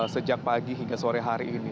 sejak pagi hingga sore hari ini